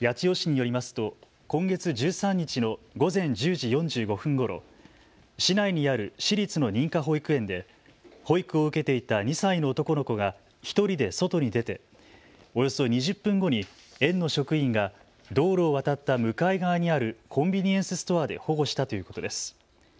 八千代市によりますと今月１３日の午前１０時４５分ごろ市内にある私立の認可保育園で保育を受けていた２歳の男の子が１人で外に出ておよそ２０分後に園の職員が道路を渡った向かい側にあるコンビニエンスストアで保護したということです。